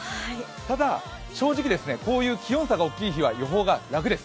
ただ、正直、こういう気温差が大きい日は予報が楽です。